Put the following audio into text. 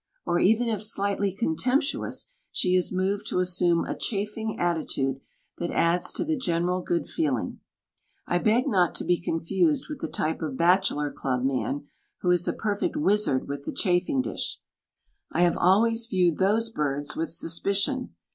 Or even if slightly contemptuous she is moved to assume a chaffing attitude that adds to the general good feeling. I beg not to be confused with the type of bachelor club man who is a perfect wizard with the chafing dish. I have always viewed those birds with suspicion.